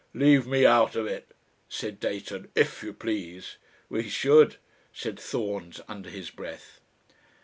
"Leave me out of it," said Dayton, "IF you please." "We should," said Thorns under his breath.